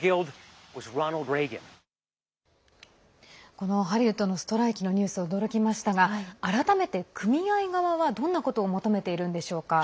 このハリウッドのストライキのニュース驚きましたが改めて組合側は、どんなことを求めているんでしょうか？